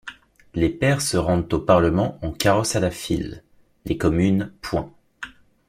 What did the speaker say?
Les pairs se rendent au parlement en carrosses à la file ; les communes, point.